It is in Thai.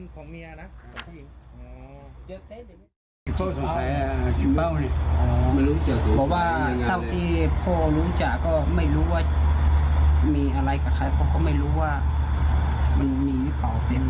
เพราะว่าเท่าที่พ่อรู้จักก็ไม่รู้ว่ามีอะไรกับใครพ่อก็ไม่รู้ว่ามันมีหรือเปล่าเต็ม